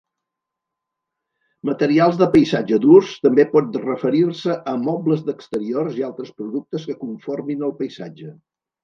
"Materials de paisatge durs" també pot referir-se a mobles d'exteriors i altres productes que conformin el paisatge.